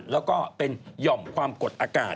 แล้วก็เป็นหย่อมความกดอากาศ